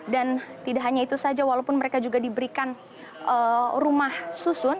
dan tidak hanya itu saja walaupun mereka juga diberikan rumah susun